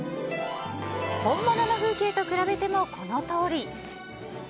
本物の風景と比べてもこのとおり。